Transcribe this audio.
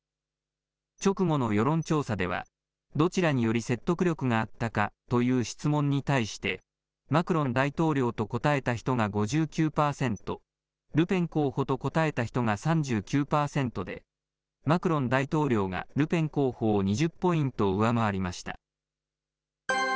直後の世論調査では、どちらにより説得力があったかという質問に対して、マクロン大統領と答えた人が５９％、ルペン候補と答えた人が３９％で、マクロン大統領がルペン候補を２０ポイント上回りました。